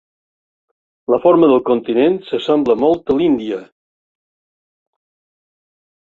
La forma del continent s'assembla molt a l'Índia.